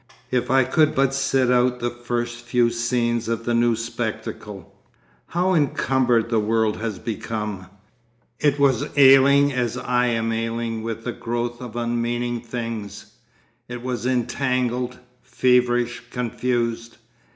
If I could but sit out the first few scenes of the new spectacle.... 'How encumbered the world had become! It was ailing as I am ailing with a growth of unmeaning things. It was entangled, feverish, confused.